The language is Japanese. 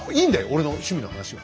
俺の趣味の話は。